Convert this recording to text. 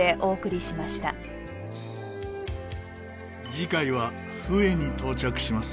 次回はフエに到着します。